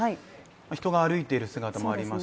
人が歩いている姿もあります。